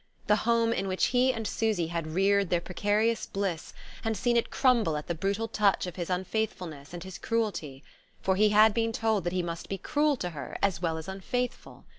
The Home in which he and Susy had reared their precarious bliss, and seen it crumble at the brutal touch of his unfaithfulness and his cruelty for he had been told that he must be cruel to her as well as unfaithful!